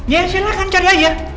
ya silahkan cari aja